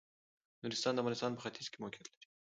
نورستان د افغانستان په ختيځ کې موقيعت لري.